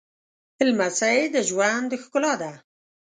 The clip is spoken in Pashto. لمسی د ژوند ښکلا ده